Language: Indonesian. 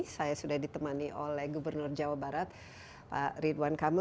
saya sudah ditemani oleh gubernur jawa barat pak ridwan kamil